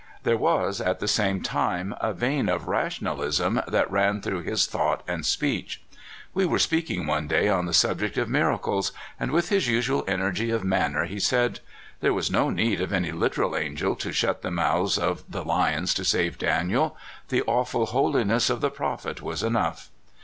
There was, at the same time, a vein of rationalism that ran through his thought and speech. We were speak ing one day on the subject of miracles, and, with his usual energy of manner, he said :" There was no need of any literal angel to shut the mouths of the lions to save Daniel ; the awful holiness of the prophet ivas enough.